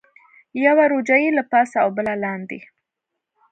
یوه روجایۍ له پاسه او بله لاندې.